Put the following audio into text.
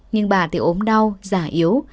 nhưng bà thì ốm đau giả yếu